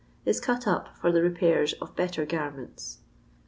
is cut up for the repairs of better garments.